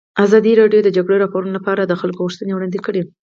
ازادي راډیو د د جګړې راپورونه لپاره د خلکو غوښتنې وړاندې کړي.